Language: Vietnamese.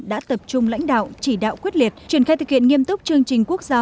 đã tập trung lãnh đạo chỉ đạo quyết liệt triển khai thực hiện nghiêm túc chương trình quốc gia